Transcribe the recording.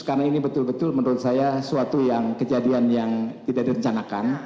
jadi ini betul betul menurut saya suatu yang kejadian yang tidak direncanakan